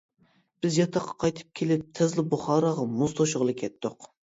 بىز ياتاققا قايتىپ كېلىپ تېزلا بۇخاراغا مۇز توشۇغىلى كەتتۇق.